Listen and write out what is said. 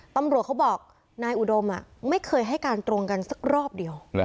ตำรวจเขาบอกนายอุดมไม่เคยให้การตรงกันสักรอบเดียว